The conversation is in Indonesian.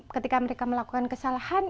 ketika mereka melakukan kesalahan